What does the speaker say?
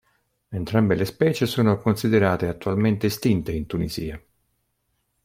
Entrambe le specie sono considerate attualmente estinte in Tunisia.